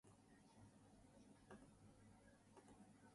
Baybridge is in the parliamentary constituency of Hexham.